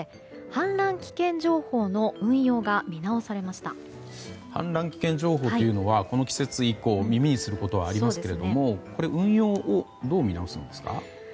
氾濫危険情報というのはこの季節耳にすることはありますけれども運用をどう見直すんですか？